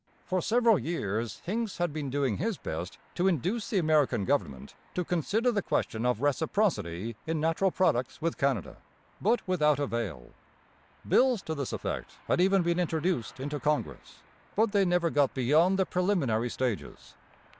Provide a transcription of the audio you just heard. For several years Hincks had been doing his best to induce the American government to consider the question of reciprocity in natural products with Canada, but without avail. Bills to this effect had even been introduced into Congress; but they never got beyond the preliminary stages.